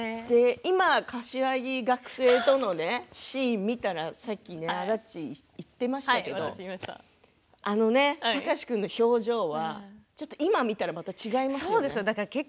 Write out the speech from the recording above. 今、柏木学生とのシーンを見たらさっきアダッチーと言っていましたけれどあの貴司君の表情はちょっと今、見たらまた違いますよね。